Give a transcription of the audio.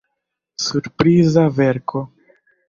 Surpriza verko!